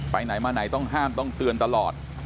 ไปไหนมาไหนต้องห้ามต้องเตือนตลอด